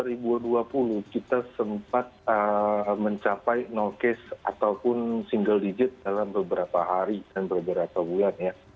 tahun dua ribu dua puluh kita sempat mencapai no case ataupun single digit dalam beberapa hari dan beberapa bulan ya